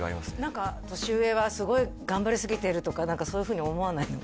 何か年上はすごい頑張りすぎてるとか何かそういうふうに思わないの？